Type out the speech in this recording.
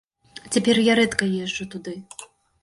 Цяпер я рэдка езджу туды.